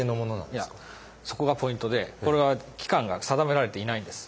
いやそこがポイントでこれは期間が定められてないんです。